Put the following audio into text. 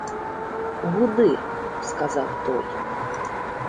— Гуди, — сказав той.